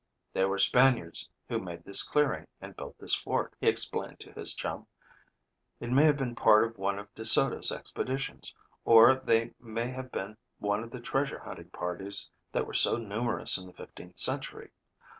"They were Spaniards who made this clearing and built this fort," he explained to his chum. "It may have been part of one of DeSoto's expeditions, or they may have been one of the treasure hunting parties that were so numerous in the fifteenth century.